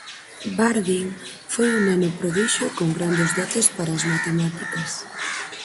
Bardeen foi un neno prodixio con grandes dotes para as matemáticas.